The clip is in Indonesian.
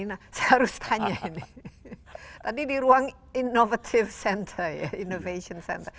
nah saya harus tanya ini tadi di ruang innovative center ya innovation center